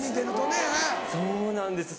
そうなんです。